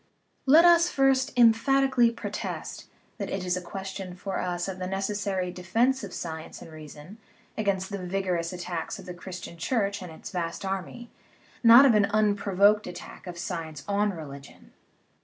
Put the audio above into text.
Let us first emphatically protest that it is a question for us of the necessary defence of science and reason against the vigorous attacks of the Christian Church and its vast army, not of an unprovoked attack of science on religion.